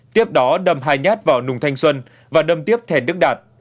tiếp đó đâm hai nhát vào nùng thanh xuân và đâm tiếp thèn đức đạt